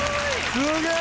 すげえ！